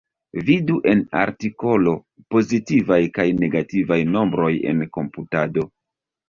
Vidu en artikolo pozitivaj kaj negativaj nombroj en komputado.